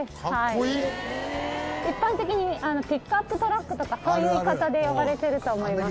一般的にピックアップトラックとかそういう言い方で呼ばれてると思います。